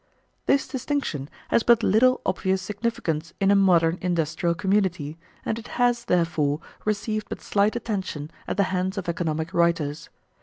This distinction has but little obvious significance in a modern industrial community, and it has, therefore, received but slight attention at the hands of economic writers.